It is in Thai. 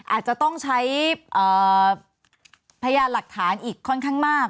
อาจจะต้องใช้พยานหลักฐานอีกค่อนข้างมาก